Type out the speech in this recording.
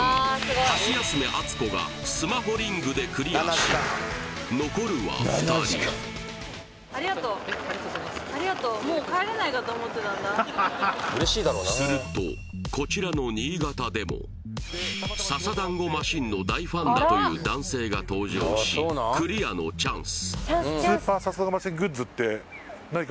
ハシヤスメ・アツコがスマホリングでクリアし残るは２人するとこちらの新潟でもササダンゴ・マシンの大ファンだという男性が登場しクリアのチャンス